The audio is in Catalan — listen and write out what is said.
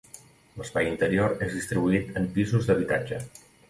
L'espai interior és distribuït en pisos d'habitatge.